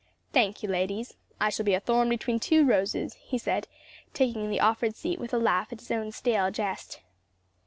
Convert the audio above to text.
"Thank you, ladies. I shall be a thorn between two roses," he said, taking the offered seat with a laugh at his own stale jest.